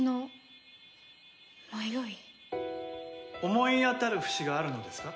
思い当たる節があるのですか？